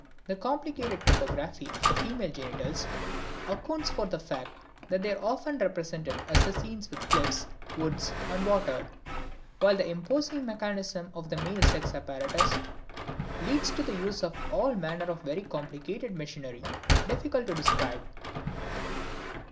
The complicated topography of the female genitals accounts for the fact that they are often represented as scenes with cliffs, woods and water, while the imposing mechanism of the male sex apparatus leads to the use of all manner of very complicated machinery, difficult to describe.